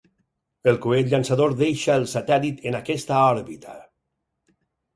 El coet llançador deixa el satèl·lit en aquesta òrbita.